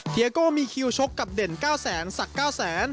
เทียโก่มีคิวชกกับเด่นเก้าแสนสักเก้าแสน